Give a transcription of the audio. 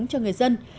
giúp cho người dân